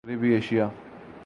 مغربی ایشیا